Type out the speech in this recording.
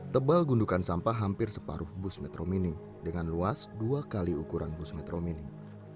tebal gundukan sampah hampir separuh bus metromining dengan luas dua kali ukuran bus metromining